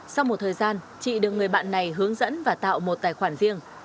sau một thời gian chị được người bạn này hướng dẫn và tạo một tài khoản riêng